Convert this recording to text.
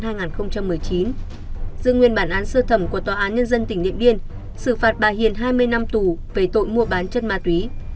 giữa nguyên bản án sơ thẩm của tòa án nhân dân tỉnh điện biên xử phạt bà hiền hai mươi năm tù về tội mua bán chất ma túy